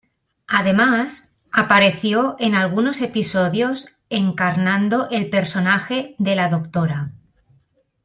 Además apareció en algunos episodios encarnando el personaje de la "Dra.